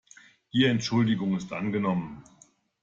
Die Entschuldigung ist angenommen.